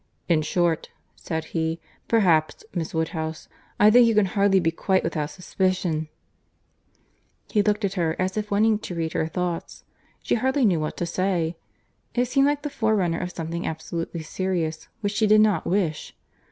"In short," said he, "perhaps, Miss Woodhouse—I think you can hardly be quite without suspicion"— He looked at her, as if wanting to read her thoughts. She hardly knew what to say. It seemed like the forerunner of something absolutely serious, which she did not wish.